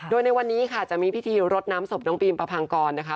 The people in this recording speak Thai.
โดยในวันนี้ค่ะจะมีพิธีรดน้ำศพน้องบีมประพังกรนะคะ